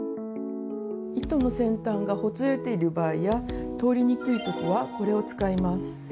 糸の先端がほつれている場合や通りにくい時はこれを使います。